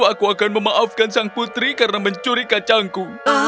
aku akan memaafkan sang putri karena mencuri kacangku